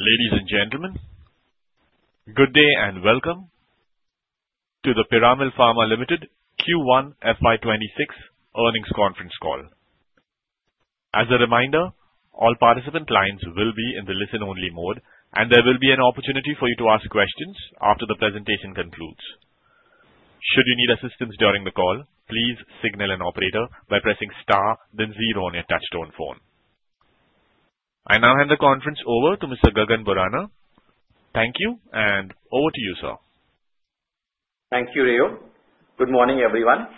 Ladies and Gentlemen, good day and welcome to the Piramal Pharma Limited Q1 FY 2026 Earnings Conference Call. As a reminder, all participant lines will be in the listen only mode and there will be an opportunity for you to ask questions after the presentation concludes. Should you need assistance during the call, please signal an operator by pressing star then zero on your touch-tone phone. I now hand the conference over to Mr. Gagan Borana. Thank you. And over to you sir. Thank you, Rio. Good morning everyone.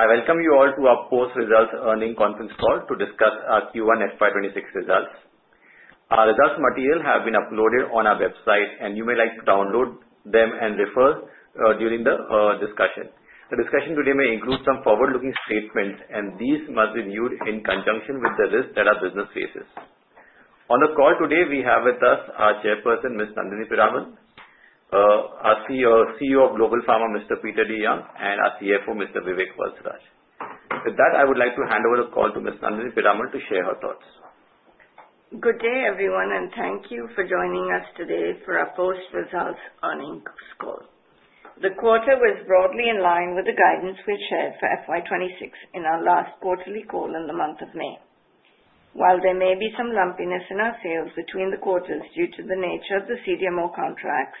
I welcome you all to our post results earnings conference call to discuss our Q1 FY2026 results. Our results material have been uploaded on our website and you may like to download them and refer during the discussion. The discussion today may include some forward-looking statements and these must be viewed in conjunction with the risks that our business faces. On the call today we have with us our Chairperson Ms. Nandini Piramal, our CEO of Global Pharma, Mr. Peter DeYoung, and our CFO Mr. Vivek Valsaraj. With that, I would like to hand over the call to Ms. Nandini Piramal to share her thoughts. Good day everyone and thank you for joining us today for our post results earnings call. The quarter was broadly in line with the guidance we shared for FY 2026 in our last quarterly call in the month of May. While there may be some lumpiness in our sales between the quarters due to the nature of the CDMO contracts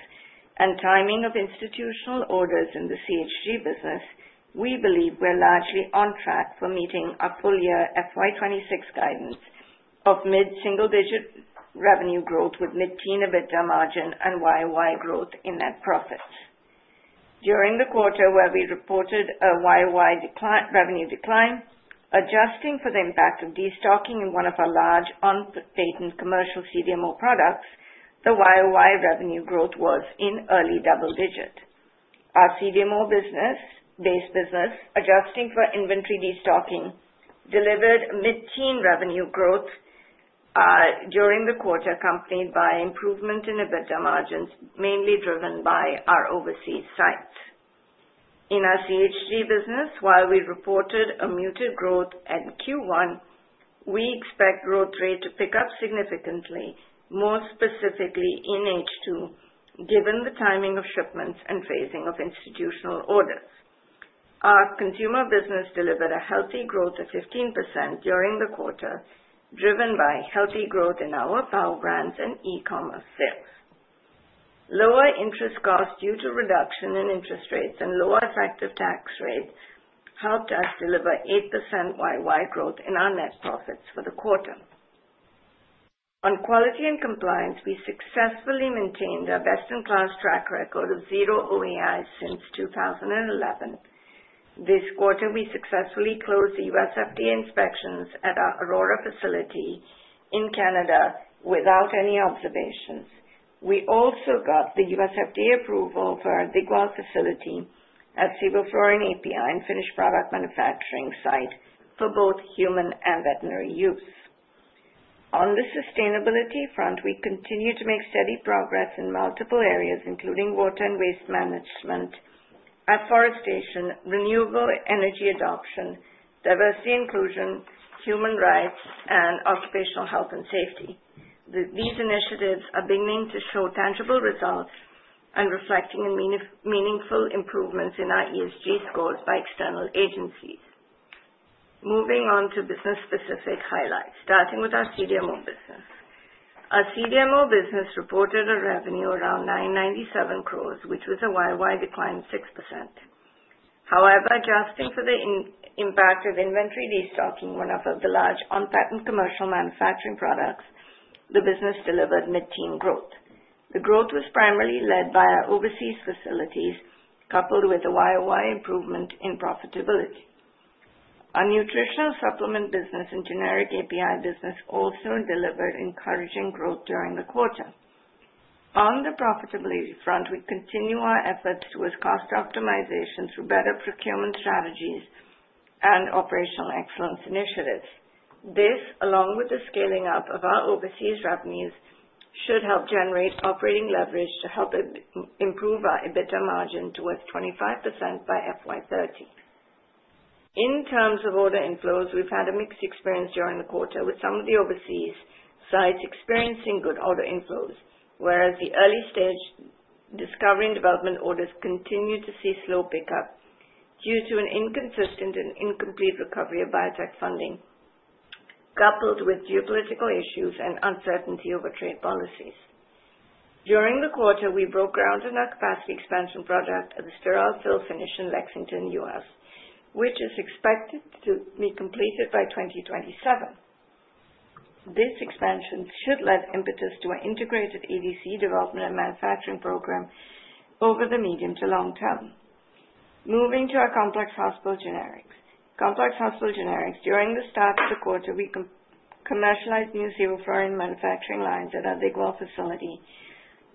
and timing of institutional orders in the CHG business, we believe we're largely on track for meeting our full year FY 2026 guidance of mid single digit revenue growth with mid teen EBITDA margin and YoY growth in net profits. During the quarter, we reported a YoY revenue decline, adjusting for the impact of destocking in one of our large on-patent commercial CDMO products, the YoY revenue growth was in early double digit. Our CDMO business base business, adjusting for inventory destocking, delivered mid teen revenue growth during the quarter accompanied by improvement in EBITDA margins mainly driven by our overseas sites. In our CHG business, while we reported a muted growth in Q1, we expect growth rate to pick up significantly, more specifically in H2, given the timing of shipments and phasing of institutional orders. Our consumer business delivered a healthy growth of 15% during the quarter driven by healthy growth in our Power Brands and e-commerce sales. Lower interest costs due to reduction in interest rates and lower effective tax rate helped us deliver 8% YoY growth in our net profits for the quarter. On quality and compliance, we successfully maintained our best in class track record of zero OAIs since 2011. This quarter, we successfully closed the U.S. FDA inspections at our Aurora facility and in Canada without any observations. We also got the U.S. FDA approval for our Digwal facility at Sevoflurane API and finished product manufacturing site for both human and veterinary use. On the sustainability front, we continue to make steady progress in multiple areas including water and waste management, afforestation, renewable energy adoption, diversity, inclusion, human rights, and occupational health and safety. These initiatives are beginning to show tangible results and reflecting meaningful improvements in our ESG scores by external agencies. Moving on to business specific highlights, starting with our CDMO business. Our CDMO business reported a revenue around 997 crore, which was a YoY decline of 6%. However, adjusting for the impact of inventory destocking, one of the large on-patent commercial manufacturing products, the business delivered mid teen growth. The growth was primarily led by our overseas facilities, coupled with a YoY improvement in profitability. Our nutritional supplement business and generic API business also delivered encouraging growth during the quarter. On the profitability front, we continue our efforts toward cost optimization through better procurement strategies and operational excellence initiatives. This, along with the scaling up of our overseas revenues, should help generate operating leverage to help improve our EBITDA margin toward 25% by FY 2030. In terms of order inflows, we've had a mixed experience during the quarter, with some of the overseas sites experiencing good order inflows, whereas the early stage discovery and development orders continue to see slow pickup due to an inconsistent and incomplete recovery of biotech funding, coupled with geopolitical issues and uncertainty over trade policies. During the quarter, we broke ground in our capacity expansion project at the sterile fill-finish facility in Lexington, U.S., which is expected to be completed by 2027. This expansion should lend impetus to an integrated ADC development and manufacturing program over the medium to long term. Moving to our Complex Hospital Generics. Complex Hospital Generic during the start of the quarter, we commercialized new Sevoflurane manufacturing lines at our Digwal facility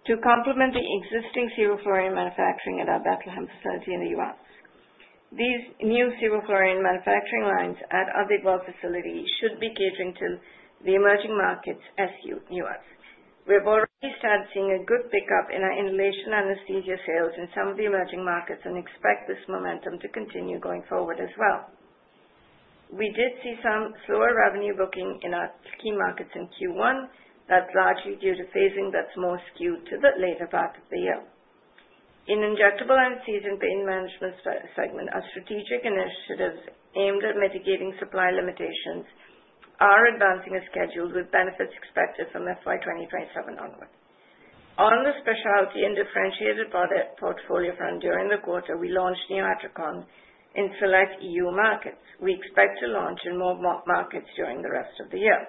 to complement the existing Sevoflurane manufacturing at our Bethlehem facility in the U.S. These new Sevoflurane manufacturing lines at our Digwal facility should be catering to the emerging markets as well as the U.S.. We have already started seeing a good pickup in our inhalation anesthesia sales in some of the emerging markets and expect this momentum to continue going forward as well. We did see some slower revenue booking in our key markets in Q1. That's largely due to phasing that's more skewed to the later part of the year. In Injectable Anesthesia and Pain Management segment, our strategic initiatives aimed at mitigating supply limitations are advancing as scheduled, with benefits expected from FY 2027 onward. On the specialty and differentiated portfolio front, during the quarter, we launched Neoatricon in select EU markets. We expect to launch in more markets during the rest of the year.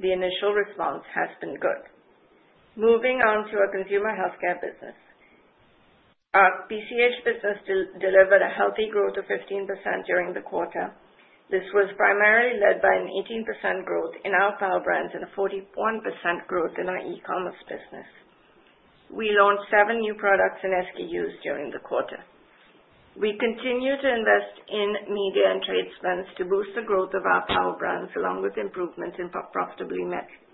The initial response has been good. Moving on to our Consumer Healthcare business. Our PCH business delivered a healthy growth of 15% during the quarter. This was primarily led by an 18% growth in our Power Brands and a 41% growth in our e-commerce business. We launched seven new products and SKUs during the quarter. We continue to invest in media and trade spends to boost the growth of our Power Brands along with improvement in profitability metrics.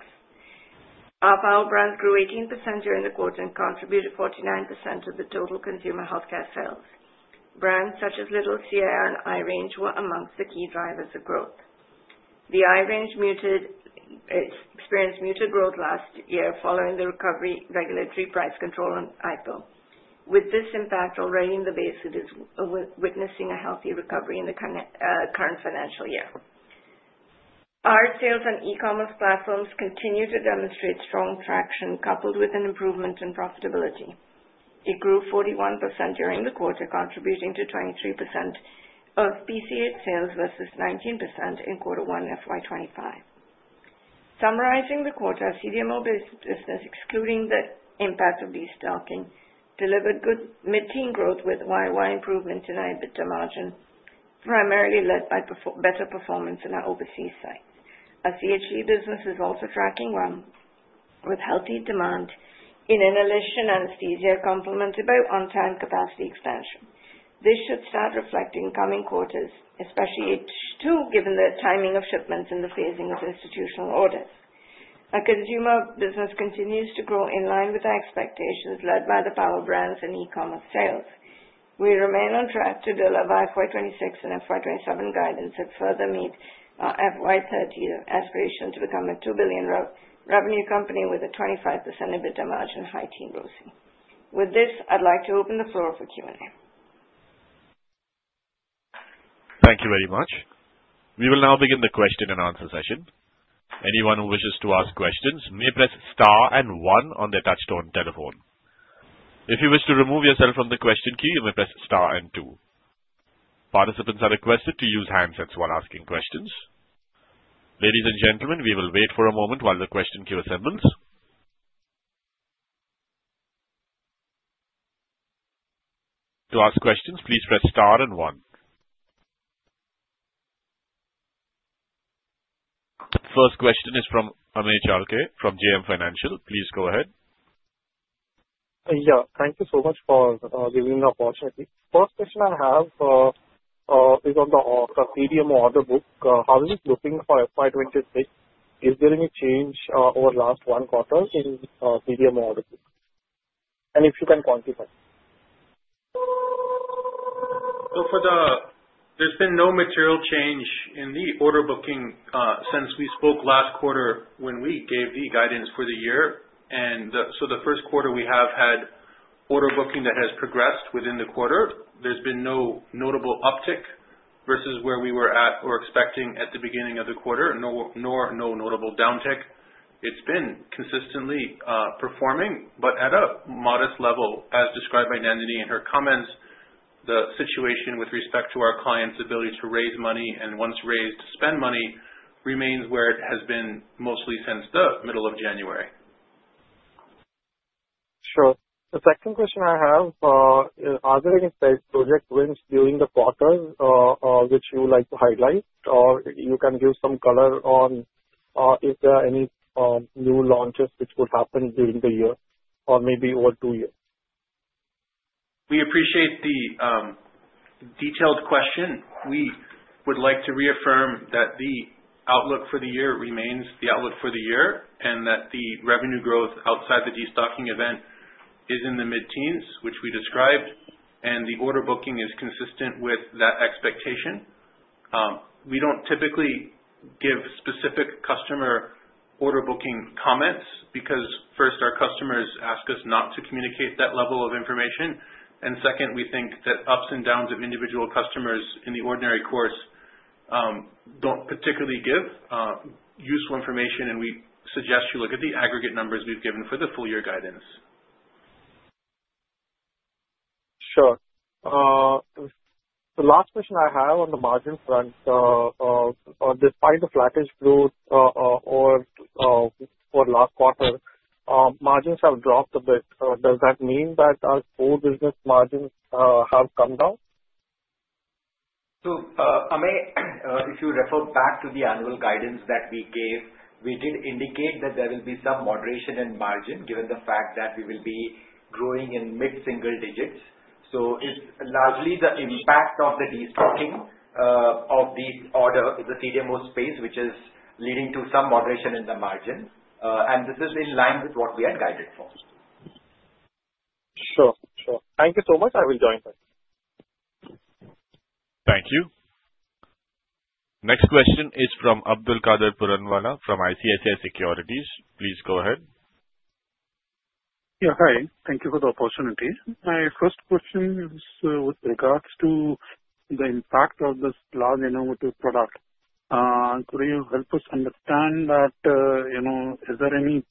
Our Power Brands grew 18% during the quarter and contributed 49% of the total Consumer Healthcare sales. Brands such as Little's CIR and i-range were amongst the key drivers of growth. The i-range experienced muted growth last year following the regulatory price control on i-Pill. With this impact already in the base, it is witnessing a healthy recovery in the current financial year. Our sales and e-commerce platforms continue to demonstrate strong traction, coupled with an improvement in profitability. It grew 41% during the quarter, contributing to 23% of PCH sales versus 19% in quarter one FY 2025. Summarizing the quarter, CDMO business excluding the impact of destocking delivered good mid-teen growth with YoY improvement in our EBITDA margin, primarily led by better performance in our overseas sites. Our CHG business is also tracking well with healthy demand in analgesia and anesthesia, complemented by on-time capacity expansion. This should start reflecting in coming quarters, especially H2, given the timing of shipments and the phasing of institutional orders. Our consumer business continues to grow in line with our expectations, led by the Power Brands and e-commerce sales. We remain on track to deliver FY 2026 and FY 2027 guidance that further meet our FY 2030 aspiration to become a $2 billion revenue company with a 25% EBITDA margin with high teen growth. With this, I'd like to open the floor for Q&A. Thank you very much. We will now begin the question and answer session. Anyone who wishes to ask questions may press star and one on their touch-tone telephone. If you wish to remove yourself from. the question queue, you may press star and two. Participants are requested to use handsets while asking questions. Ladies and gentlemen, we will wait for a moment while the question queue assembles. To ask question, please press star and one. First question is from Amey Chalke from JM Financial. Please go ahead. Yeah, thank you so much for giving me the opportunity. First question I have is on the CDMO order book. How is it looking for FY 2026? Is there any change over last quarter in CDMO order book and if you can quantify? There's been no material change in the order booking since we spoke last quarter when we gave the guidance for the year. The first quarter we have had order booking that has progressed within the quarter. There's been no notable uptick versus where we were at or expecting at the beginning of the quarter, nor no notable downtick. It's been consistently performing, but at a modest level, as described by Nandini in her comments. The situation with respect to our clients' ability to raise money, and once raised to spend money, remains where it has been mostly since the middle of January. Sure. The second question I have, are there any project wins during the quarter which you like to highlight, or you can give some color on if there are any new launches which would happen during the year or maybe over two years? We appreciate the detailed question. We would like to reaffirm that the outlook for the year remains the outlook for the year and that the revenue growth outside the destocking event is in the mid teens, which we described, and the order booking is consistent with that expectation. We don't typically give specific customer order booking comments because first, our customers ask us not to communicate that level of information, and second, we think that ups and downs of individual customers in the ordinary course don't particularly give useful information, and we suggest you look at the aggregate numbers we've given for the full year guidance. Sure. The last question I have on the margin front, despite the flattish growth for last quarter, margins have dropped a bit. Does that mean that our core business margins have come down? Amey, if you refer back to the annual guidance that we gave, we did indicate that there will be some moderation in margin given the fact that we will be growing in mid single digits. It's largely the impact of the destocking of the order in the CDMO space which is leading to some moderation in the margin, and this is in line with what we had guided for. Sure, sure. Thank you so much. I will rejoin. Thank you. Next question is from Abdulkader Puranwala from ICICI Securities. Please go ahead. Yeah, hi. Thank you for the opportunity. My first question is with regards to the impact of this large innovative product. Could you help us understand that, you know, is there any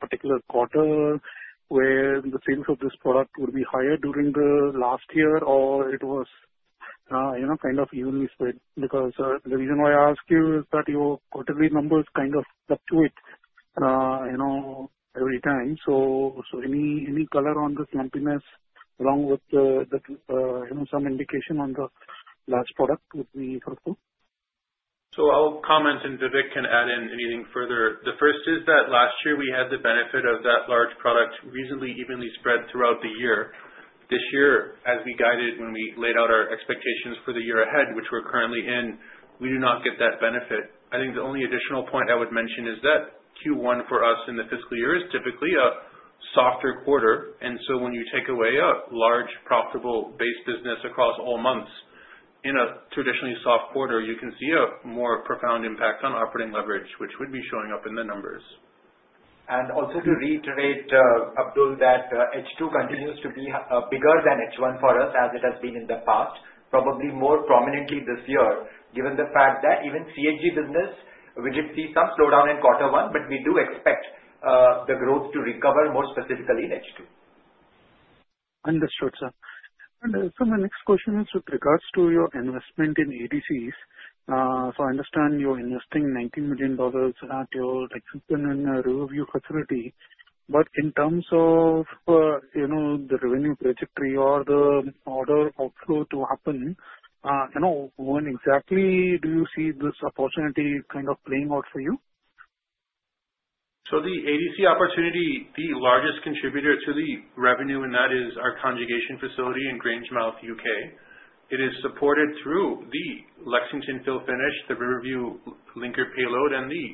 particular quarter where the sales of this product would be higher during the last year or it was, you know, kind of evenly spread? The reason why I ask you is that your quarterly numbers kind of fluctuate every time. Any color on the slumpiness along with some indication on the last product would be fruitful. I'll comment and Vivek can add in anything further. The first is that last year we had the benefit of that large product reasonably evenly spread throughout the year. This year, as we guided when we laid out our expectations for the year ahead, which we're currently in, we do not get that benefit. I think the only additional point I would mention is that Q1 for us in the fiscal year is typically a softer quarter. When you take away a large profitable base business across all months in a traditionally soft quarter, you can see a more profound impact on operating leverage, which would be showing up in the numbers. To reiterate, Abdul, that H2 continues to be bigger than H1 for us as it has been in the past, probably more prominently this year given the fact that even the CHG business, we did see some slowdown in quarter one, but we do expect the growth to recover more specifically in H2. Understood, sir. My next question is with regards to your investment in ADCs. I understand you're investing $19 million at your Lexington and Riverview facility, but in terms of the revenue trajectory or the order outflow to happen, when exactly do you see this opportunity kind of playing out for you? The ADC opportunity is the largest contributor to the revenue, and that is our conjugation facility in Grangemouth, U.K. It is supported through the Lexington fill/finish, the Riverview linker payload, and the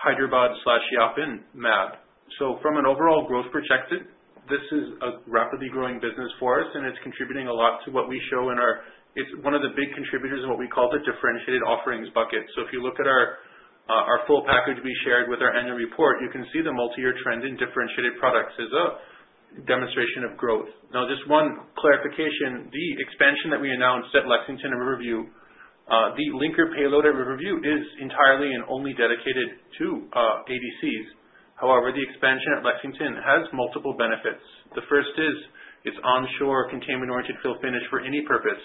Hyderabad/Yapan map. From an overall growth projected, this is a rapidly growing business for us and it's contributing a lot to what we show in our, it's one of the big contributors of what we call the differentiated offerings bucket. If you look at our full package we shared with our annual report, you can see the multi-year trend in differentiated products is a demonstration of growth. Now, just one clarification. The expansion that we announced at Lexington and at Riverview, the linker payload at Riverview is entirely and only dedicated to ADCs. However, the expansion at Lexington has multiple benefits. The first is its onshore containment-oriented fill/finish for any purpose,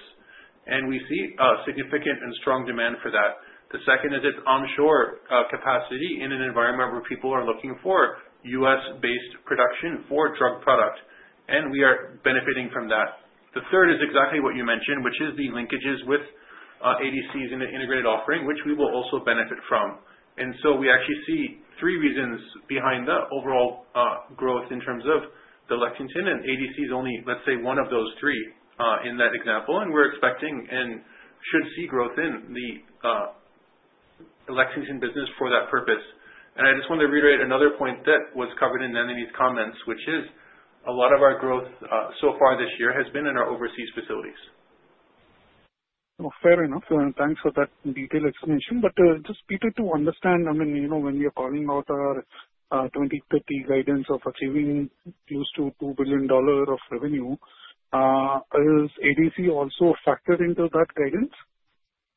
and we see significant and strong demand for that. The second is its onshore capacity in an environment where people are looking for U.S.-based production for drug product, and we are benefiting from that. The third is exactly what you mentioned, which is the linkages with ADCs in an integrated offering, which we will also benefit from. We actually see three reasons behind the overall growth in terms of the Lexington facility, and ADC is only, let's say, one of those three in that example. We're expecting and should see growth in the Lexington business for that purpose. I just want to reiterate another point that was covered in Nandini's comments, which is a lot of our growth so far this year has been in our overseas facilities. Fair enough, thanks for that detailed explanation. Peter, to understand, when we are calling out our 2030 guidance of achieving close to $2 billion of revenue, is ADC also factored into that guidance?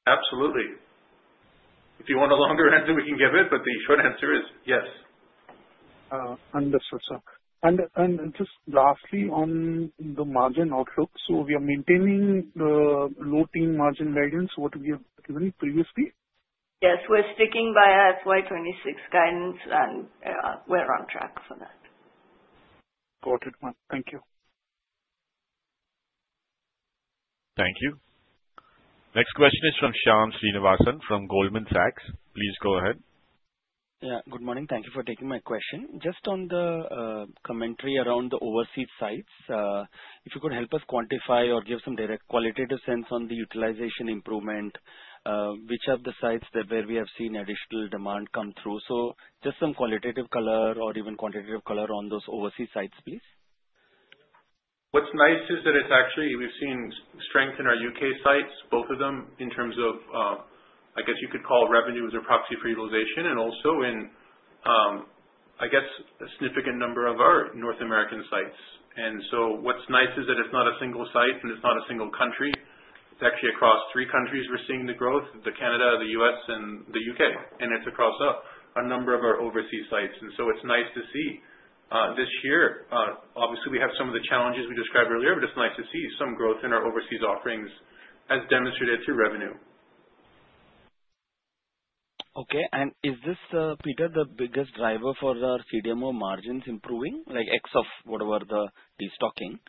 Absolutely. If you want a longer answer, we can give it, but the short answer is yes. Understood, sir. Just lastly on the margin outlook. We are maintaining the low teen margin guidance, what we have given previously. Yes, we're sticking by FY 2026 guidance and we're on track for that. Got it. Thank you. Thank you. Next question is from Shyam Srinivasan from Goldman Sachs. Please go ahead. Good morning. Thank you for taking my question. Just on the commentary around the overseas sites, if you could help us quantify or give some direct qualitative sense on the utilization improvement, which of the sites where we have seen additional demand come through. Just some qualitative color or even quantitative color on those overseas sites, please. What's nice is that we've seen strength in our U.K. sites, both of them in terms of, I guess you could call revenue as a proxy for utilization, and also in a significant number of our North American sites. What's nice is that it's not a single site and it's not a single country. It's actually across three countries. We're seeing the growth, Canada, the U.S., and the U.K., and it's across a number of our overseas sites. It's nice to see this year. Obviously, we have some of the challenges we described earlier, but it's nice to see some growth in our overseas offerings as demonstrated through revenue. Okay. Is this, Peter, the biggest driver for the CDMO margins improving, like ex of whatever the destocking?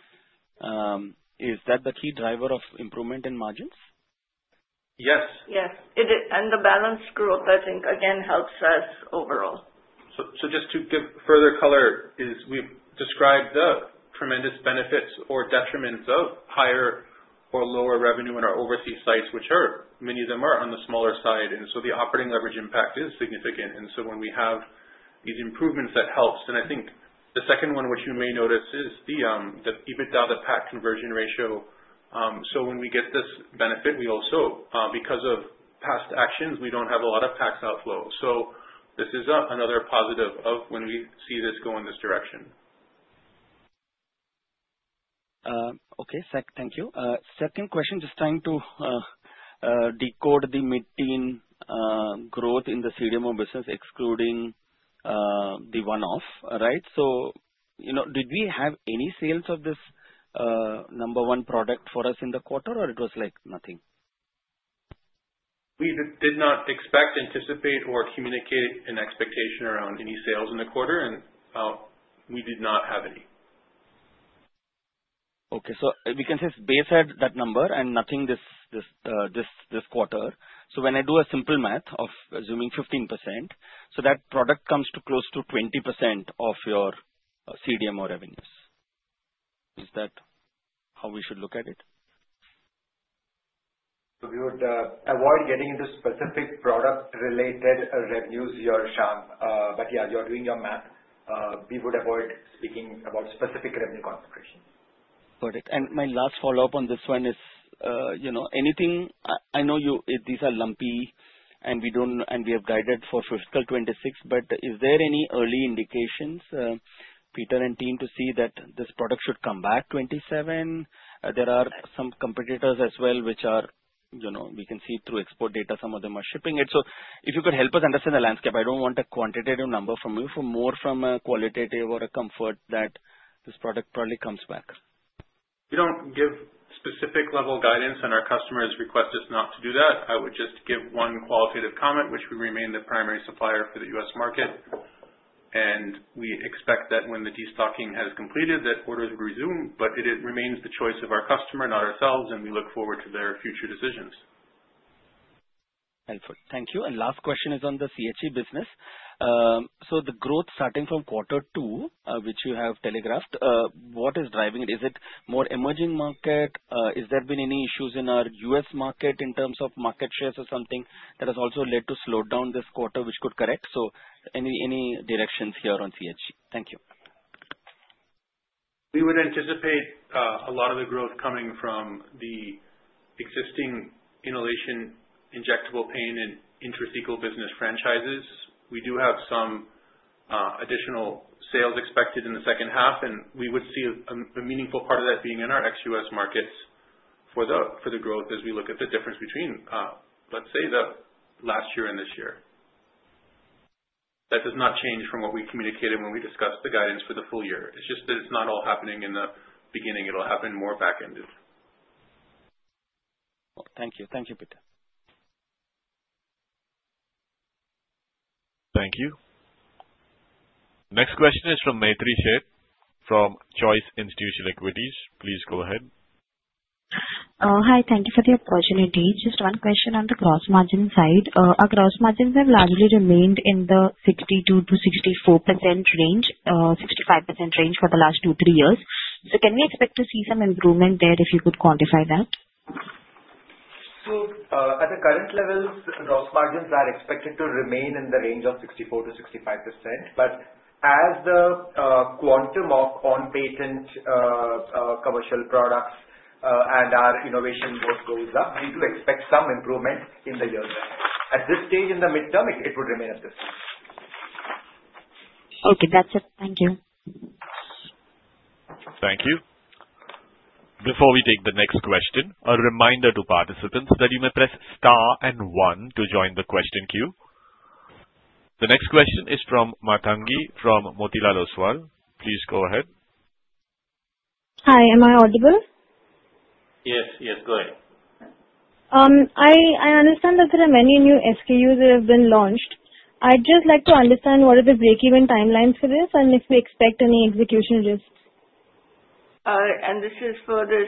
Is that the key driver of improvement in margins? Yes. Yes. The balance growth, I think again helps us overall. To give further color, we've described the tremendous benefits or detriments of higher or lower revenue in our overseas sites, many of which are on the smaller side, and the operating leverage impact is significant. When we have these improvements, that helps. The second one you may notice is the EBITDA to PAT conversion ratio. When we get this benefit, we also, because of past actions, do not have a lot of tax outflow. This is another positive when we see this go in this direction. Okay, thank you. Second question. Just trying to decode the mid teen growth in the CDMO business excluding the one-off, right? Did we have any sales of this number one product for us in the quarter, or was it nothing? We did not expect, anticipate, or communicate an expectation around any sales in the quarter, and we did not have any. Okay, we can say base had that number and nothing this quarter. When I do a simple math of assuming 15%, that product comes to close to 20% of your CDMO revenues, is that how we should look at it? We would avoid getting into specific product related revenues here, Shyam. Yeah, you're doing your math. We would avoid speaking about specific revenue contribution. Got it. My last follow up on this one is, you know, anything, I know you. These are lumpy and we don't, and we have guided for fiscal 2026. Is there any early indications, Peter and team, to see that this product should come back 2027? There are some competitors as well which are, you know, we can see through export data. Some of them are shipping it. If you could help us understand the landscape. I don't want a quantitative number from you, more from a qualitative or a comfort that this product probably comes back. We don't give specific level guidance, and our customers request us not to do that. I would just give one qualitative comment, which is we remain the primary supplier for the U.S. market, and we expect that when the destocking has completed, orders will resume. It remains the choice of our customer, not ourselves, and we look forward to their future decisions. Thank you. Last question is on the CHG business. The growth starting from quarter two which you have telegraphed, what is driving it? Is it more emerging market? Has there been any issues in our U.S. market in terms of market shares or something that has also led to slowdown this quarter, which could correct. Any directions here on CHG? Thank you. We would anticipate a lot of the growth coming from the existing inhalation, injectable pain, and intrathecal business franchises. We do have some additional sales expected in the second half, and we would see a meaningful part of that being in our ex U.S. markets for the growth. As we look at the difference between, say, last year and this year, that does not change from what we communicated when we discussed the guidance for the full year. It's just that it's not all happening in the beginning, it will happen more back ended. Thank you. Thank you, Peter. Thank you. Next question is from Maitri Sheth from Choice Institutional Equities. Please go ahead. Hi. Thank you for the opportunity. Just one question on the gross margin side. Our gross margins have largely remained in the 62%-64% range, 65% range for the last two, three years. Can we expect to see some improvement there, if you could quantify that? At the current levels, gross margins are expected to remain in the range of 64%-65%. As the quantum of on-patent commercial products and our innovation goes up, we do expect some improvement in the years ahead. At this stage in the midterm, it would remain at the same. Okay, that's it. Thank you. Thank you. Before we take the next question, a reminder to participants that you may press star and one to join the question queue. The next question is from Matangi from Motilal Oswal. Please go ahead. Hi, am I audible? Yes, yes, go ahead. I understand that there are many new SKUs that have been launched. I'd just like to understand what are the breakeven timelines for this and if we expect any execution risks. Is this for the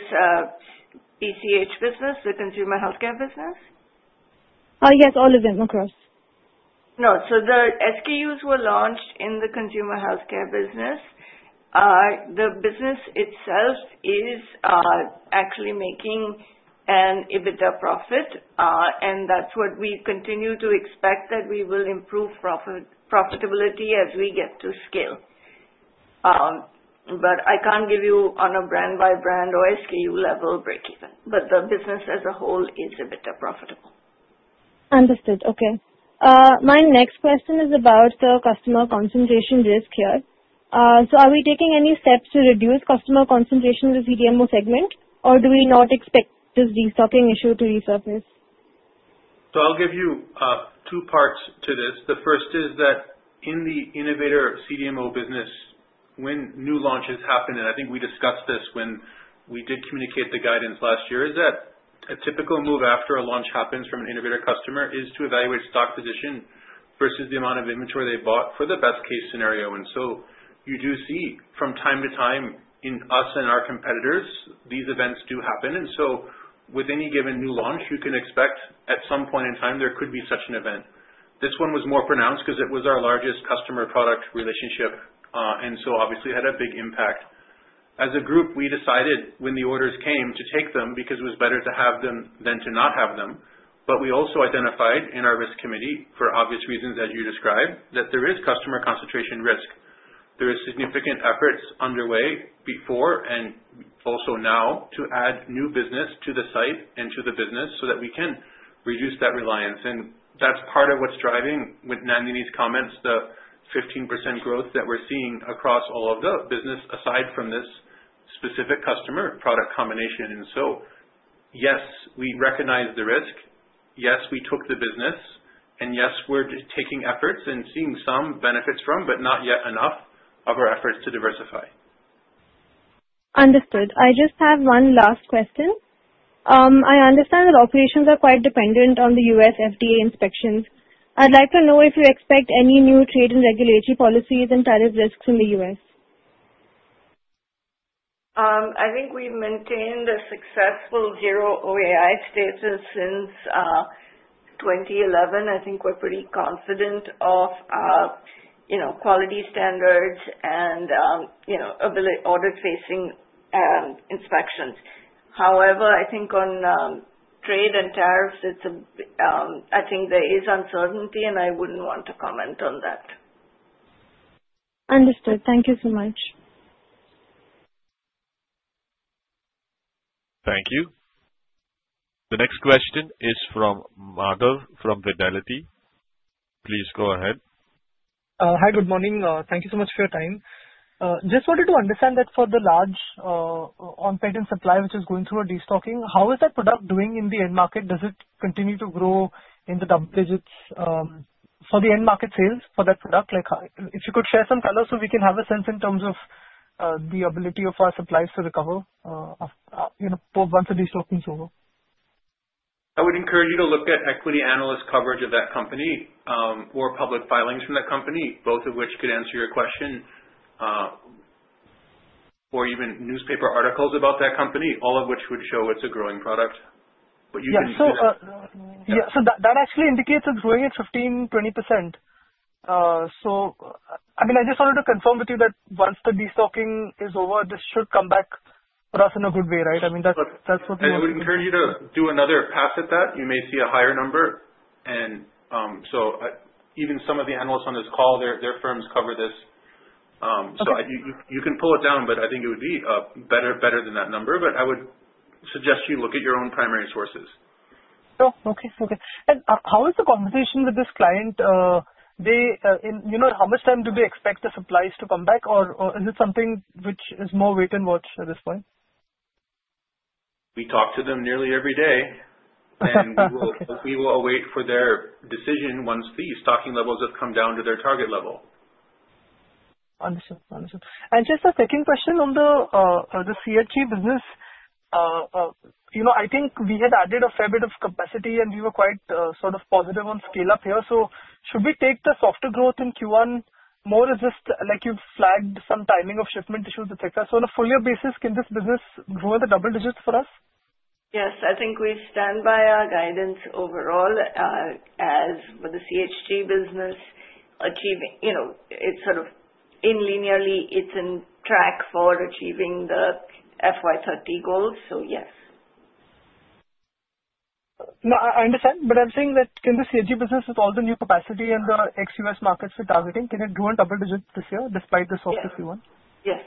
PCH business, the Consumer Healthcare business? Oh yes, all of them, across. No. The SKUs were launched in the Consumer Healthcare business. The business itself is actually making an EBITDA profit. That is what we continue to expect, that we will improve profitability as we get to scale. I can't give you on a brand by brand or SKU level, break even. The business as a whole is EBITDA profitable. Understood. Okay. My next question is about the customer concentration risk here. Are we taking any steps to reduce customer concentration in the CDMO segment or do we not expect this restocking issue to resurface? I'll give you two parts to this. The first is that in the innovator CDMO business, when new launches happen, and I think we discussed this when we did communicate the guidance last year, a typical move after a launch happens from an innovator customer is to evaluate stock position versus the amount of inventory they bought for the best case scenario. You do see, from time to time in the U.S. and our competitors, these events do happen. With any given new launch, you can expect at some point in time there could be such an event. This one was more pronounced because it was our largest customer product relationship and obviously had a big impact as a group. We decided when the orders came to take them because it was better to have them than to not have them. We also identified in our risk committee, for obvious reasons, as you described, that there is customer concentration risk. There are significant efforts underway before and also now to add new business to the site and to the business so that we can reduce that reliance. That's part of what's driving, with Nandini's comments, the 15% growth that we're seeing across all of the business aside from this specific customer product combination. Yes, we recognize the risk. Yes, we took the business and yes, we're taking efforts and seeing some benefits from, but not yet enough of our efforts to diversify. Understood. I just have one last question. I understand that operations are quite dependent on the U.S. FDA inspections. I'd like to know if you expect any new trade and regulatory policies and tariff risks in the U.S.. I think we've maintained a successful OAI status since 2011. I think we're pretty confident of quality standards and audit facing inspections. However, I think on trade and tariffs, there is uncertainty and I. Wouldn't want to comment on that. Understood. Thank you so much. Thank you. The next question is from Madhav, from Fidelity. Please go ahead. Hi, good morning. Thank you so much for your time. Just wanted to understand that for the large on-patent commercial product supply, which is going through destocking, how is that product doing in the end market? Does it continue to grow in the double digits for the end market sales for that product? If you could share some color so we can have a sense in terms of the ability of our supplies to recover once the destocking is over. I would encourage you to look at equity analyst coverage of that company or public filings from that company, both of which could answer your question, or even newspaper articles about that company, all of which would show it's a growing product. Yes. That actually indicates it's growing at 15%-20%. I just wanted to confirm with you that once the destocking is over, this should come back for us in a good way, right? I mean, that's what. I would encourage you to do another pass at that. You may see a higher number. Even some of the analysts on this call, their firms cover this so you can pull it down. I think it would be better than that number. I would suggest you look at your own primary sources. Okay. Okay. How is the conversation with this client? How much time do they expect the supplies to come back? Is it something which is more? Wait and watch at this point? We talk to them nearly every day, and we will await their decision once the stocking levels have come down to their target level. Understood, understood. Just a second question on the CHG business. I think we had added a fair bit of capacity and we were quite sort of positive on scale up here. Should we take the softer growth in Q1 more as just like you flagged some timing of shipment issues, et cetera? On a full year basis, can this business grow in the double digits for us? Yes, I think we stand by our guidance overall. As with the CHG business, achieving, you know, it's sort of linearly, it's on track for achieving the FY 2030 goals. Yes. No, I understand, but I'm saying that can the CHG business, with all the new capacity in the ex U.S. markets we're targeting, can it grow in double digits this year despite the soft Q1? Yes.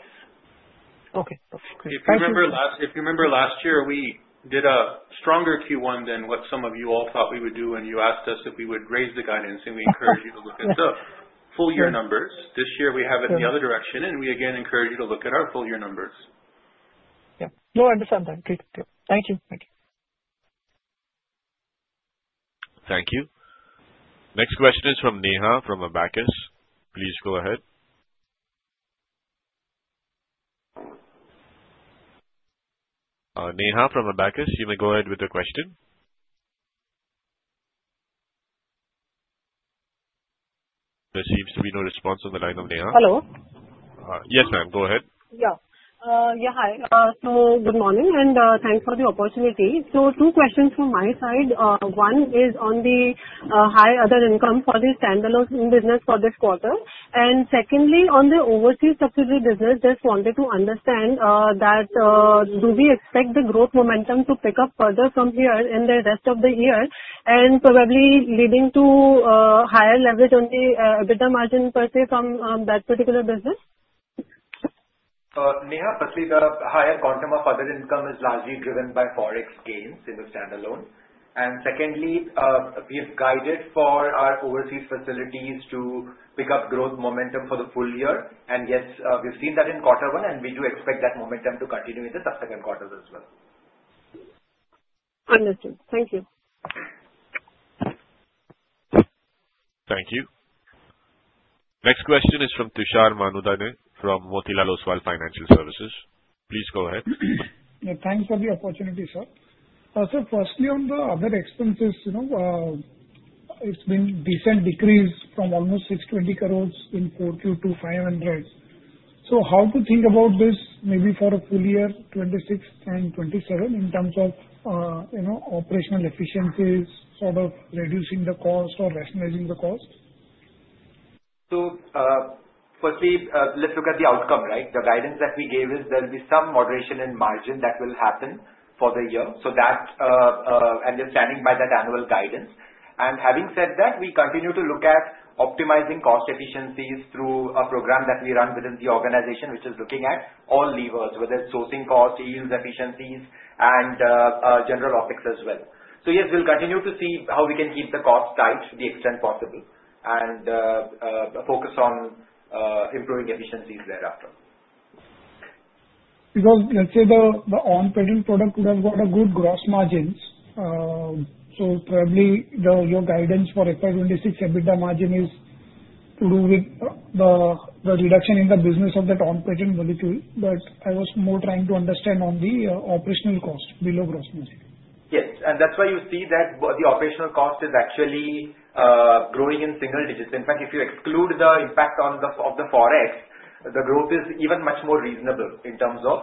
Okay. If you remember last year we did a stronger Q1 than what some of you all thought we would do when you asked us if we would raise the guidance. We encourage you to look at the full year numbers. This year we have it in the other direction and we again encourage you to look at our full year numbers. No, I understand that. Thank you. Thank you. Next question is from Neha from Abacus. Please go ahead. Neha from Abacus, you may go ahead with the question. There seems to be no response on the line of Neha. Hello? Yes ma'am, go ahead. Yeah, hi. Good morning and thanks for the opportunity. Two questions from my side. One is on the high other income for the standalone business for this quarter, and secondly on the overseas subsidiary business. I just wanted to understand that do we expect the growth momentum to pick up further from here in the rest of the year, probably leading to higher leverage, only EBITDA margin per se from that particular business? Neha, firstly, the higher quantum of other income is largely driven by forex gains in the standalone and secondly we have guided for our overseas facilities to pick up growth momentum for the full year, and yes, we've seen that in quarter one and we do expect that momentum to continue in the second quarters as well. Understood, thank you. Thank you. Next question is from Tushar Manudhane from Motilal Oswal Financial Services. Please go ahead. Thanks for the opportunity, sir. Firstly, on the other expenses, it's been a decent decrease from almost 620 crore in Q4 to 500 crore. How to think about this maybe for a full year 2026 and 2027 in terms of operational efficiencies, sort of reducing the cost or rationalizing the cost. Firstly, let's look at the outcome. The guidance that we gave is there'll be some moderation in margin that will happen for the year. That understanding by that annual guidance and having said that, we continue to look at optimizing cost efficiencies through a program that we run within the organization, which is looking at all levers, whether it's sourcing cost, yield efficiencies, and general OpEx as well. Yes, we'll continue to see how we can keep the cost tight to the extent possible and focus on improving efficiencies thereafter. Because let's say the on-patent commercial product could have got a good gross margin. Probably your guidance for FY 2026 EBITDA margin is to do with the reduction in the business of that on-patent molecule. I was more trying to understand on the operational cost below gross margin. Yes, that's why you see that the operational cost is actually growing in single digits. In fact, if you exclude the impact of the forex, the growth is even much more reasonable in terms of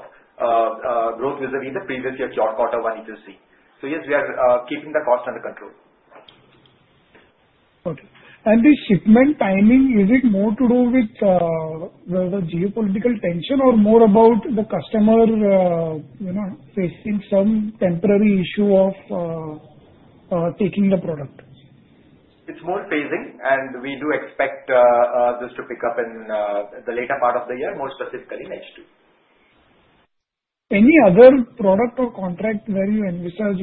growth visible in the previous year, Q1, if you see. Yes, we are keeping the cost under control. Okay, and this shipment timing, is it more to do with the geopolitical tension or more about the customer facing some temporary issue of taking the product? It's more phasing, and we do expect this to pick up in the later part of the year, more specifically in H2. Any other product or contract where you envisage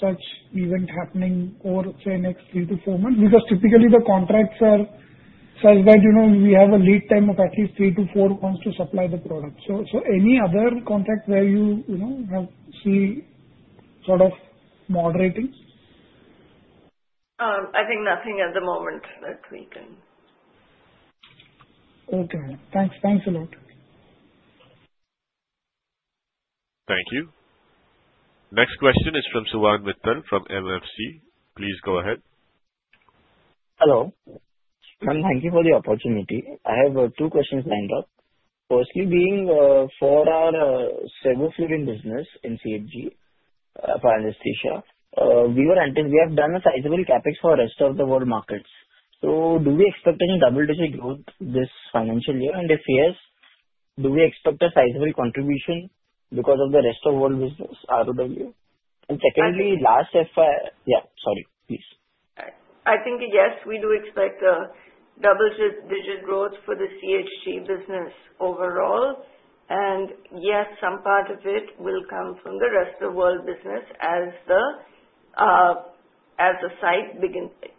such event happening over, say, next three to four months. Typically, the contracts are such that we have a lead time of at least three to four months to supply the product. Any other contract where you see sort of moderating? I think nothing at the moment that we can. Okay, thanks. Thanks a lot. Thank you. Next question is from Suvan Mittal from MFC. Please go ahead. Hello, thank you for the opportunity. I have two questions lined up. Firstly, being for our Sevoflurane in business CHG for anesthesia, we have done a sizable capex for rest of the world markets. Do we expect any double digit growth this financial year, and if yes, do we expect a sizable contribution because of the rest of world business row. Secondly, last if. Yeah, sorry, please. I think yes, we do expect a double digit growth for the CHG business overall, and yes, some part of it will come from the rest of world business as the site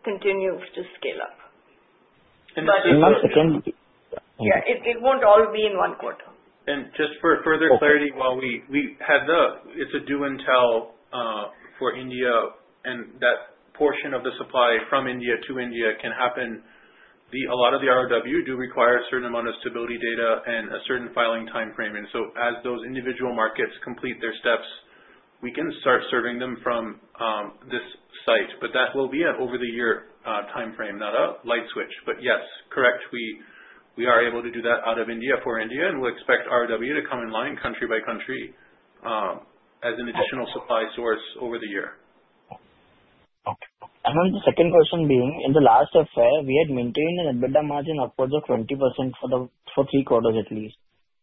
continues to scale up. Yeah, it won't all be in one quarter. For further clarity, while we had the do and tell for India and that portion of the supply from India to India can happen, a lot of the RoW do require a certain amount of stability data and a certain filing time frame. As those individual markets complete their steps, we can start serving them from this site. That will be over the year time frame, not a light switch. Yes, correct, we are able to do that out of India for India and we expect RoW to come in line country by country as an additional supply source over the year. The second question being, in the last FY, we had maintained an EBITDA margin of upwards of 20% for the for three quarters at least,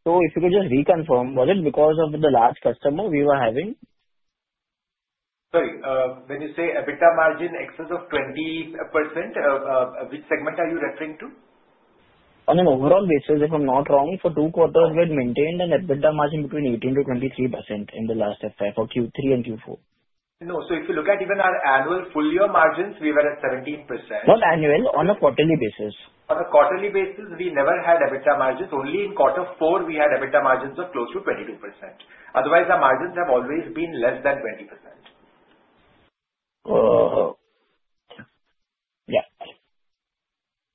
if you could just reconfirm, was it because of the large customer we were having? Sorry, when you say EBITDA margin in excess of 20%, which segment are you referring to? On an overall basis, if I'm not wrong, for two quarters we had maintained an EBITDA margin between 18%-23% in the last FY for Q3 and Q4. No. If you look at even our annual full year margins, we were at 17%. Not annual. On a quarterly basis. On a quarterly basis we never had EBITDA margins. Only in quarter four we had EBITDA margins of close to 22%. Otherwise our margins have always been less than 20%. Yeah.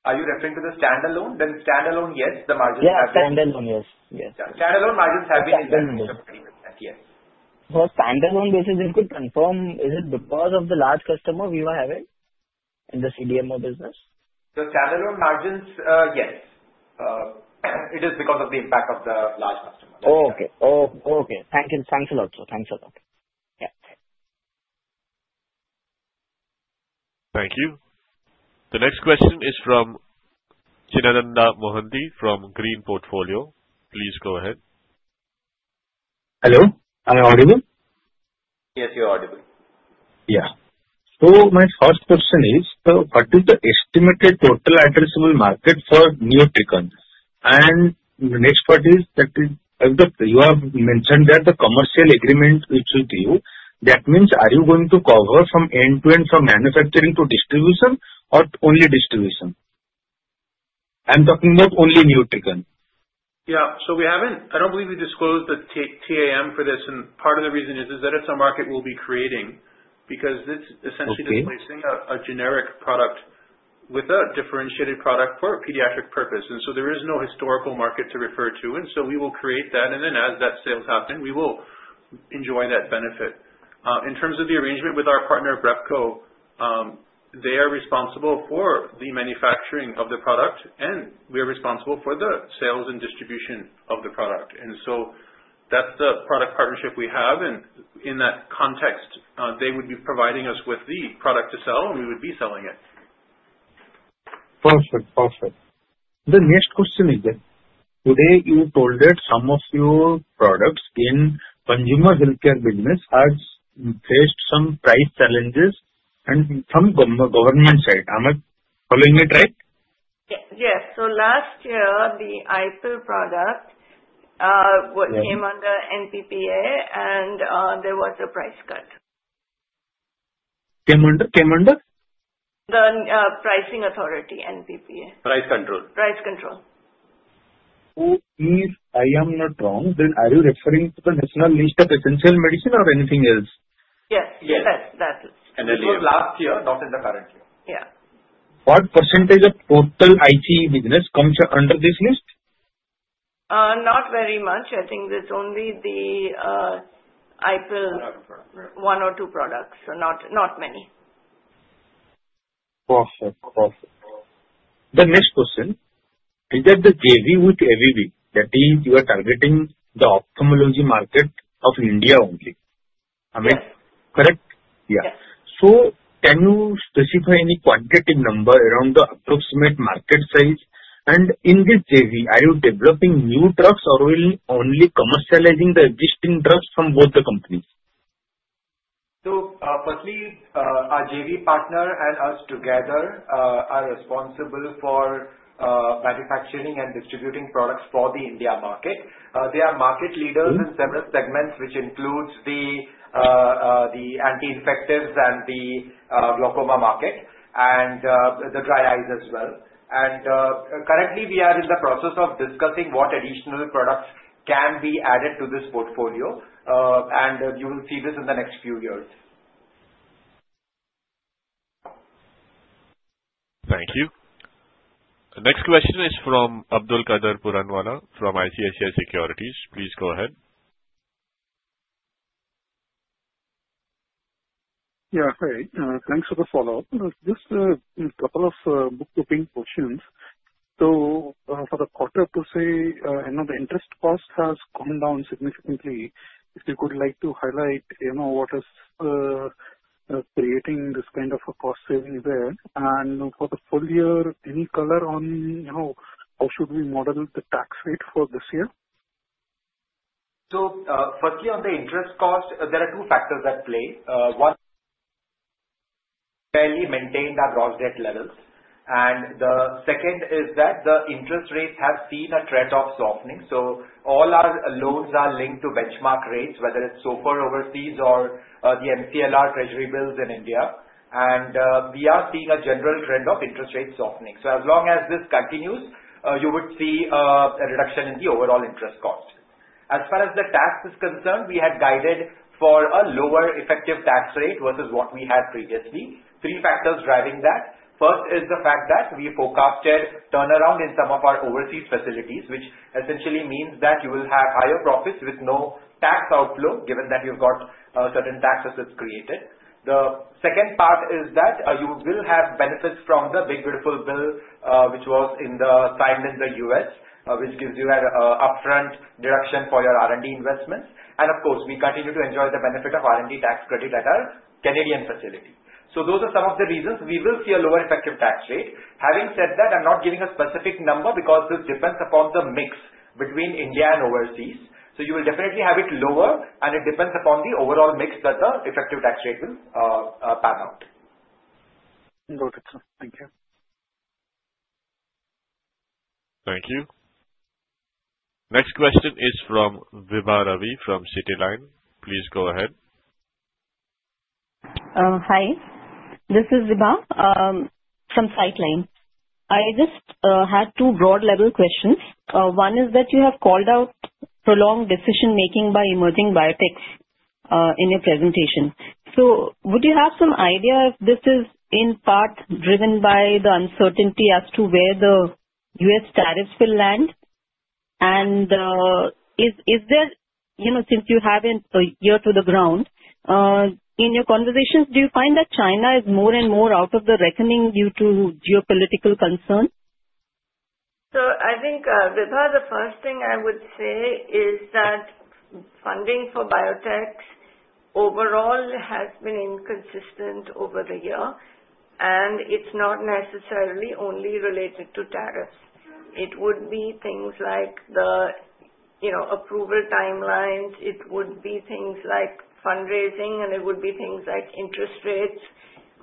Are you referring to the standalone then? Standalone? Yes. The margin. Standalone, yes. Yes, standalone margins have been in that. Yes. For standalone basis, it could confirm. Is it because of the large customer we were having in the CDMO business. The standalone margins? Yes, it is because of the impact of the large customer. Oh, okay. Thank you. Thanks a lot. Thank you. The next question is from Chidananda Mohanty from Green Portfolio. Please go ahead. Hello. Am I audible? Yes, you're audible. Yeah. My first question is what is the estimated total addressable market for Neoatricon? The next part is that you have mentioned that the commercial agreement, which is due, that means are you going to cover from end to end, from manufacturing to distribution, or only distribution? I'm talking about only Neoatricon. Yeah, we haven't. I don't believe we disclosed the TAM for this, and part of the reason is that it's a market we'll be creating because it's essentially a generic product with a differentiated product for a pediatric purpose. There is no historical market to refer to. We will create that, and as those sales happen, we will enjoy that benefit. In terms of the arrangement with our partner BrePco, they are responsible for the manufacturing of the product, and we are responsible for the sales and distribution of the product. That's the product partnership we have. In that context, they would be providing us with the product to sell, and we would be selling it. Perfect. Perfect. The next question is, today you told that some of your products in Consumer Healthcare business has faced some price challenges and some government side. Am I following it right? Yes. Last year the i-Pill product came under NPPA, and there was a price cut. Came under? The pricing authority, NPPA. Price control. Price control. Who is, if I am not wrong, then are. You referring to the National List of Essential Medicine or anything else? Yes, yes, that's it. This was last year, not in the current year. Yeah. What percentage of total ICH business comes under this list? Not very much. I think there's only the i-Pill one or two products, so not many. Perfect, perfect. The next question is that the JV with AbbVie, that is you are targeting the ophthalmology market of India only, I mean. Correct? Yeah. Can you specify any quantitative number around the approximate market size? In this JV, are you developing new drugs or will only commercializing the existing drugs from both the companies? Firstly, our JV partner and us together are responsible for manufacturing and distributing products for the India market. They are market leaders in several segments, which includes the anti-infectives, the glaucoma market, and the dry eyes as well. Currently, we are in the process of discussing what additional correct products can be added to this portfolio. You will see this in the next few years. Thank you. Next question is from Abdulkader Puranwala from ICICI Securities. Please go ahead. Yeah, hi, thanks for the follow up. Just a couple of bookkeeping questions. For the quarter, the interest cost has come down significantly. If you could highlight what is creating this kind of a cost saving there, and for the full year, any color on how should we model the tax rate for this year? Firstly, on the interest cost, there are two factors at play. One. Fairly maintained our gross debt levels, and the second is that the interest rates have seen a threat of softening. All our loans are linked to benchmark rates, whether it's SOFR overseas or the MCLR treasury bills in India. We are seeing a general trend of interest rate softening. As long as this continues, you would see a reduction in the overall interest cost. As far as the tax is concerned, we had guided for a lower effective tax rate versus what we had previously. Three factors driving that. First is the fact that we forecasted turnaround in some of our overseas facilities, which essentially means that you will have higher profits with no tax outflow given that you've got certain tax assets created. The second part is that you will have benefits from the big beautiful bill which was signed in the U.S., which gives you an upfront deduction for your R&D investments. Of course, we continue to enjoy the benefit of R&D tax credit at our Canadian facility. Those are some of the reasons we will see a lower effective tax rate. Having said that, I am not giving a specific number because this depends upon the mix between India and overseas. You will definitely have it lower, and it depends upon the overall mix that the effective tax rate will pan out. Got it, sir. Thank you. Thank you. Next question is from Vibha Ravi from Citeline. Please go ahead. Hi, this is Vibha from Citeline. I just had two broad level questions. One is that you have called out prolonged decision making by emerging biotechs in your presentation. Would you have some idea if this is in part driven by the uncertainty as to where the U.S. tariffs will land, and is there, you know, since you have an ear to the ground in your conversations, do you find that China is more and more out of the reckoning due to geopolitical concern? I think, Vibha, the first thing I would say that funding for biotechs overall has been inconsistent over the year and it's not necessarily only related to tariffs. It would be things like the approval timelines, it would be things like fundraising and it would be things like interest rates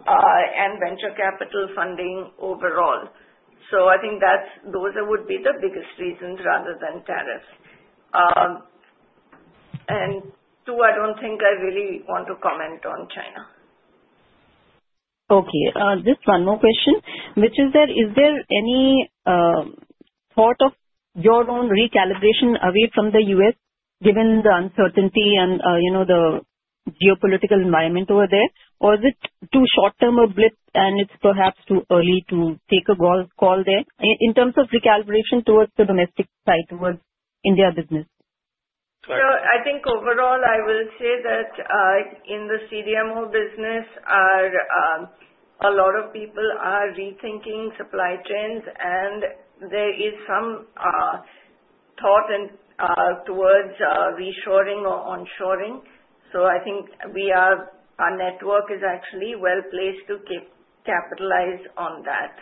and venture capital funding overall. I think those would be the biggest reasons rather than tariffs. I don't think I really want to comment on China. Okay, just one more question which is there, is there any thought of your own recalibration away from the U.S. given the uncertainty and the geopolitical environment over there? Or is it too short term, a blip and it's perhaps too early to take a call there in terms of recalibration towards the domestic, towards India business? I think overall I will say that in the CDMO business, a lot of people are rethinking supply chains, and there is some thought towards reshoring or onshoring. I think we are, our network is actually well placed to capitalize on that,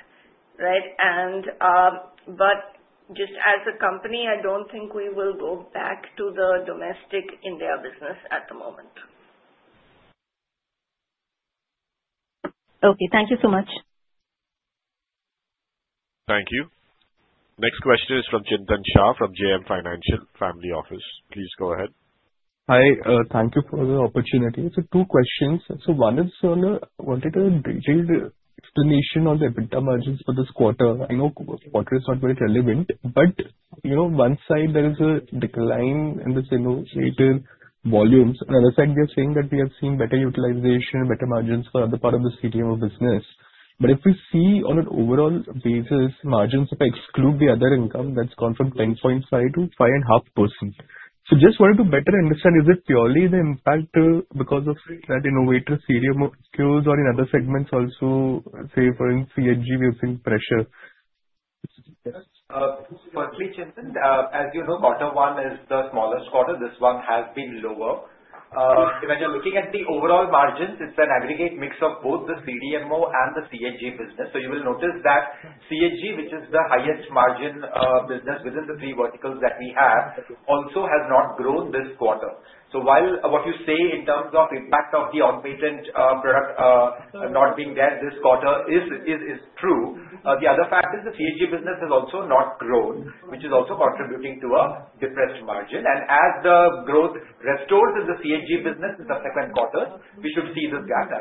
right? As a company, I don't think we will go back to the domestic India business at the moment. Okay, thank you so much. Thank you. Next question is from Chintan Shah from JM Financial Family Office. Please go ahead. Hi. Thank you for the opportunity. Two questions. One is on a wanted detailed explanation on the EBITDA margins for this quarter. I know quarter is not very relevant, but you know one side there is a decline in this innovator volumes. On the other side, we are saying that, we have seen better utilization, better margins for other part of the CDMO business. If we see on an overall basis, margins, if I exclude the other income, that's gone from 10.5% to 5.5%. I just wanted to better understand this. it purely the impact because of that innovator's skills or in other segments also? Say for in CHG we have seen pressure. As you know, bottom one is the smallest quarter, this one has been lower. When you're looking at the overall margins, it's an aggregate mix of both the CDMO and the CHG business. You will notice that CHG, which is the highest margin business within the three verticals that we have, also has not grown this quarter. While what you say in terms of impact of the on-patent commercial product not being there this quarter is true, the other fact is the CHG business has also not grown, which is also contributing to a depressed margin. As the growth restores in the CHG business in subsequent quarters, we should see this gap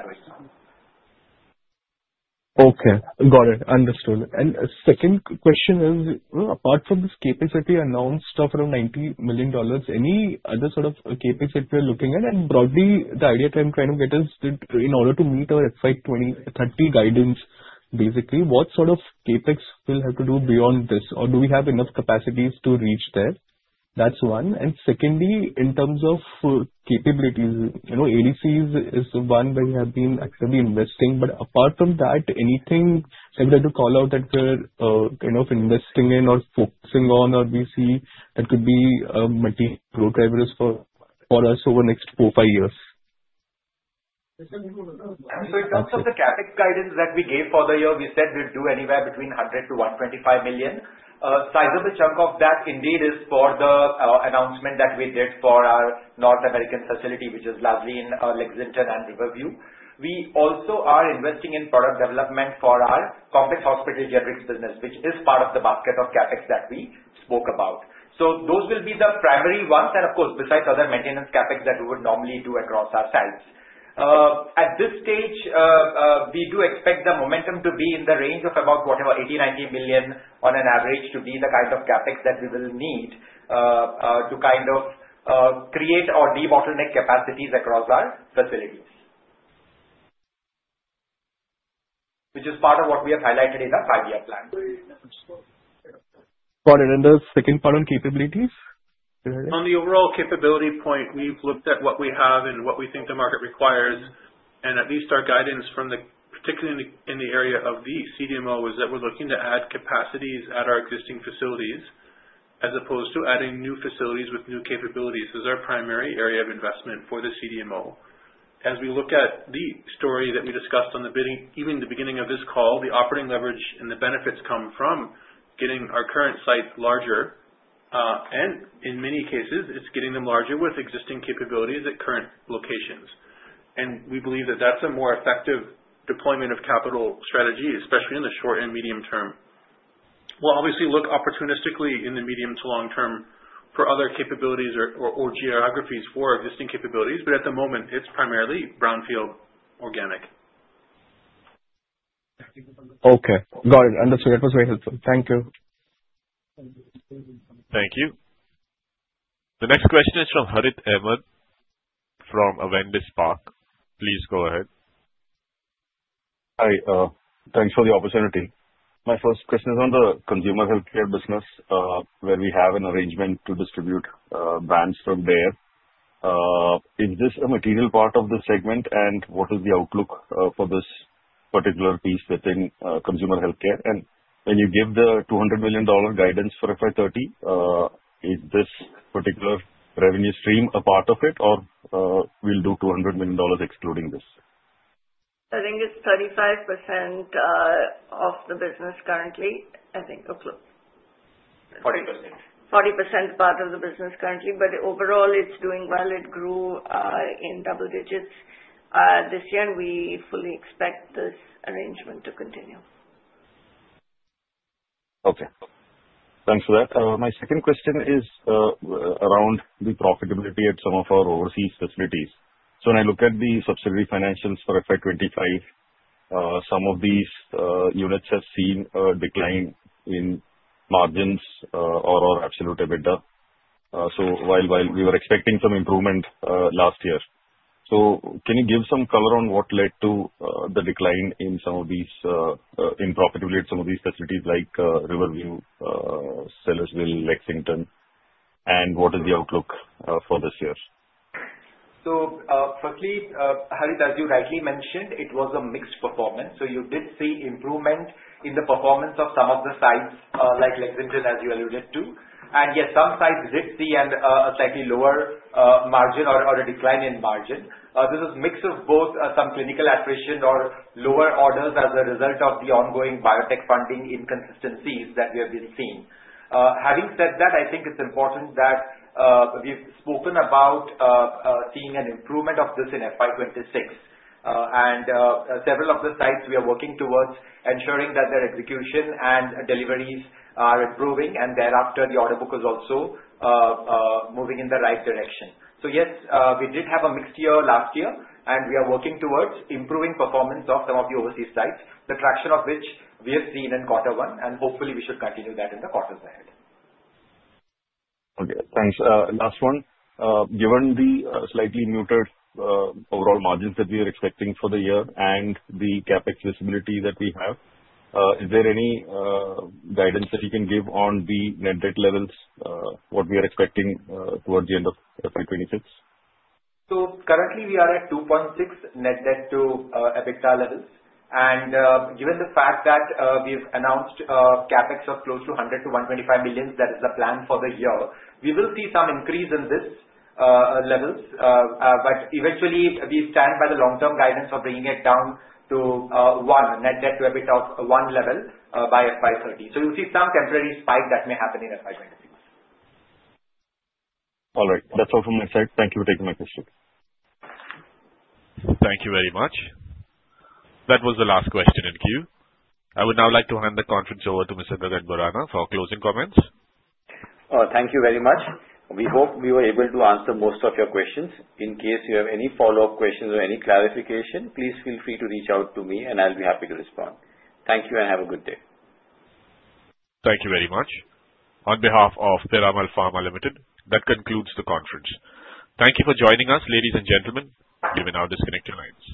narrowing down. Okay, got it. Understood. The second question is apart from this CapEx that we announced of around $90 million, any other sort of CapEx that we are looking at and broad the idea that I'm trying to get is that in order to meet our FY 2030 guidance, basically what sort of CapEx will have to do beyond this or do we have enough capacities to reach there? That's one. Secondly, in terms of capabilities, ADCs is one where we have been actively investing. Apart from that, anything like that to call out that we're kind of investing in or focusing on or we see that could be growth drivers for us over the next four, five years. In terms of the CapEx guidance that we gave for the year, we said we'd do anywhere between $100 million-$125 million. Size of the chunk of that indeed is for the announcement that we did for our North American facility, which is Lexington and Riverview. We also are investing in product development for our Complex Hospital Generics business, which is part of the basket of CapEx that we spoke about. Those will be the primary ones. Of course, besides other maintenance CapEx that we would normally do across our sites at this stage, we do expect the momentum to be in the range of about $80 million, $90 million on an average to be the kind of CapEx that we will need to kind of create or debottleneck capacities across our facilities, which is part of what we have highlighted in our five year plan. Second part on capabilities. On the overall capability point, we've looked at what we have and what we think the market requires. At least our guidance, particularly in the area of the CDMO, is that we're looking to add capacities at our existing facilities as opposed to adding new facilities with new capabilities as our primary area of investment for the CDMO. As we look at the story that we discussed at the beginning of this call, the operating leverage and the benefits come from getting our current sites larger. In many cases, it's getting them larger with existing capabilities at current locations. We believe that that's a more effective deployment of capital strategy, especially in the short and medium term. We'll obviously look opportunistically in the medium to long term for other capabilities or geographies for existing capabilities, but at the moment it's primarily brownfield organic. Okay, got it. Understood. That was very helpful. Thank you. Thank you. The next question is from Harith Ahamed from Avendus Spark. Please go ahead. Hi, thanks for the opportunity. My first question is on the Consumer Healthcare business where we have an arrangement to distribute brands from there. Is this a material part of the segment, and what is the outlook for it? This particular piece within Consumer Healthcare? When you give the $200 million. Guidance for FY 2030, is this particular revenue stream a part of it or will do $200 million excluding this? I think it's 35% of the business currently. I think. 40%. 40% part of the business currently, but overall it's doing well. It grew in double digits this year, and we fully expect this arrangement to continue. Okay, thanks for that. My second question is around the profitability at some of our overseas facilities. When I look at the subsidiary financials for FY 2025, some of these units have seen a decline in margins or absolute EBITDA while we were expecting some improvement last year, can you give some color on what led to the decline in some of these in profitability at some of these facilities like Riverview, Sellersville, Lexington, and what is the outlook for this year? Firstly, Harith, as you rightly mentioned, it was a mixed performance. You did see improvement in the performance of some of the sites like Lexington, as you alluded to. Yes, some sites did see a slightly lower margin or a decline in margin. This is a mix of both some clinical attrition or lower orders as a result of the ongoing biotech funding inconsistencies that we have been seeing. Having said that, I think it's important that we've spoken about seeing an improvement of this in FY 2026 and several of the sites. We are working towards ensuring that their execution and deliveries are improving, and thereafter the order book is also moving in the right direction. Yes, we did have a mixed year last year and we are working towards improving performance of some of the overseas sites, the traction of which we have seen in quarter one and hopefully we should continue that in the quarters ahead. Okay, thanks. Last one. Given the slightly muted overall margins that we are expecting for the year and the capex visibility that we have, is there any guidance that you can give on the net debt levels what we are expecting towards the end of FY 2026? Currently, we are at 2.6 net debt to EBITDA levels, and given the fact that we've announced capex of close to $100 million-$125 million, that is the plan for the year. We will see some increase in these levels, but eventually we stand by the long-term guidance of bringing it down to net debt to EBITDA of one by FY 2030. You may see some temporary spike that may happen. All right, that's all from my side. Thank you for taking my question. Thank you very much. That was the last question in queue. I would now like to hand the. Conference over to Mr. Gagan Borana for closing comments. Thank you very much. We hope we were able to answer. Most of your questions. In case you have any follow-up. Questions or any clarification, please feel free to reach out to me, and I'll be happy to respond. Thank you and have a good day. Thank you very much on behalf of Piramal Pharma Limited, that concludes the conference. Thank you for joining us, ladies and gentlemen. You may now disconnect your lines.